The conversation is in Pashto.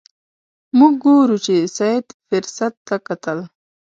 موږ ګورو چې سید فرصت ته کتل.